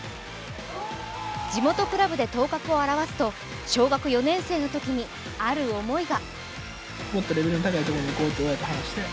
地元クラブで頭角を現すと小学４年生の時にある思いが。